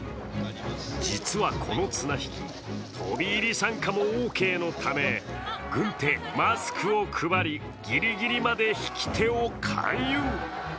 実はこの綱引き、飛び入り参加もオーケーのため軍手、マスクを配り、ぎりぎりまで引き手を勧誘。